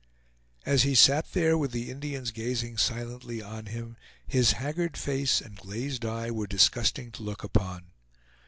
As he sat there with the Indians gazing silently on him, his haggard face and glazed eye were disgusting to look upon.